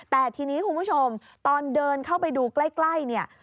แต่ทีนี้คุณผู้ชมตอนเดินเข้าไปดูใกล้เนี่ย